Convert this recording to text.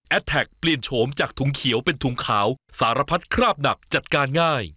แท็กเปลี่ยนโฉมจากถุงเขียวเป็นถุงขาวสารพัดคราบหนักจัดการง่าย